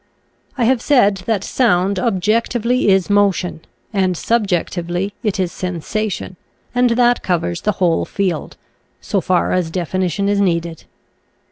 I have said that sound objectively is motion, and subjectively it is sensation, and that covers the whole field — so far as definition is needed.